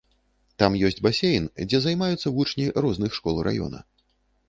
Там ёсць басейн, дзе займаюцца вучні розных школ раёна.